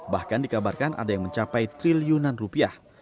bahkan dikabarkan ada yang mencapai triliunan rupiah